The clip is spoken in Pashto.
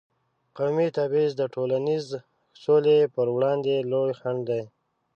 قومي تبعیض د ټولنیزې سولې پر وړاندې لوی خنډ دی.